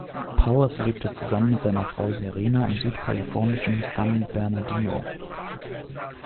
Powers lebt zusammen mit seiner Frau Serena im südkalifornischen San Bernardino.